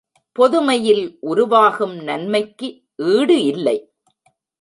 பொதுமையில் உருவாகும் நன்மைக்கு ஈடு இல்லை.